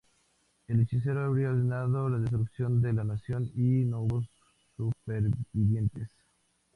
El hechicero habría ordenado la destrucción de la nación y no hubo supervivientes.